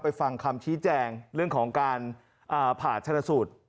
ฟังคำชี้แจงเรื่องของการผ่าชนสูตร